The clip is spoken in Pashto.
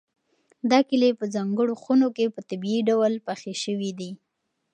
دا کیلې په ځانګړو خونو کې په طبیعي ډول پخې شوي دي.